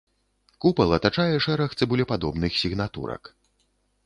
Купал атачае шэраг цыбулепадобных сігнатурак.